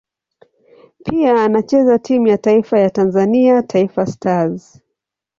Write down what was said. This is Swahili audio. Pia anachezea timu ya taifa ya Tanzania Taifa Stars.